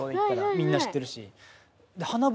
みんな知ってるし。